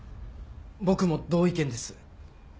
僕も同意見です。